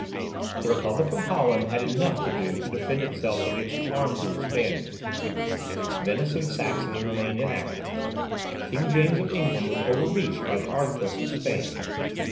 The republic of Holland had enough to do to defend itself against the arms of the Spaniards; Venice and Saxony remained inactive; King James of England was overreached by the artifice of Spain.